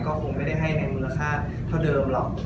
ก็คงไม่ได้ให้ในมูลค่าเท่าเดิมหรอก